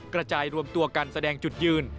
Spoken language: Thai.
กระจายรวมตัวกันแสดงจุดยืน